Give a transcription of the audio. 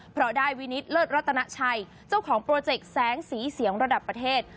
เพราะได้วินิตเลิศรัตนาชัยเจ้าของโปรเจกต์แสงสีเสียงระดับประเทศ